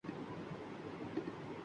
دیا تھا جس نے پہاڑوں کو رعشۂ سیماب